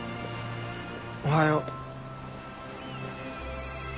おはよう。